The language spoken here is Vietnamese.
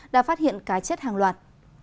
đã phát hiện cá chết hàng loạt